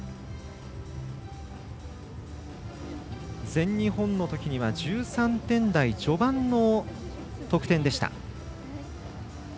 全日本のときには１３点台序盤の得点でした。